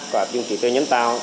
và trí tuệ nhân tạo